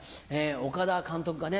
岡田監督がね